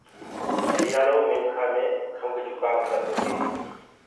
سيٚآݪو منکآ مي کنٚگ جُڪآم ڪرديندو هي۔